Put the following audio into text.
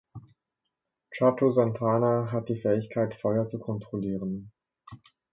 Chato Santana hat die Fähigkeit, Feuer zu kontrollieren.